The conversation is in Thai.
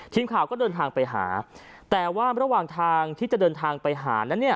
ทีมข่าวก็เดินทางไปหาแต่ว่าระหว่างทางที่จะเดินทางไปหานั้นเนี่ย